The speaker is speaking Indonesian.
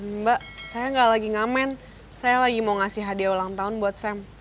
mbak saya gak lagi ngamen saya lagi mau ngasih hadiah ulang tahun buat sam